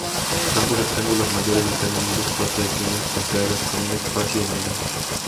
Ambos rectángulos mayores están unidos por tres líneas punteadas, con un espacio en medio.